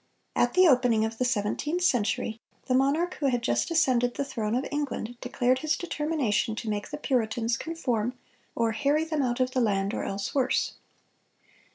At the opening of the seventeenth century the monarch who had just ascended the throne of England declared his determination to make the Puritans "conform, or ... harry them out of the land, or else worse."